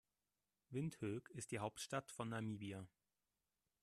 Windhoek ist die Hauptstadt von Namibia.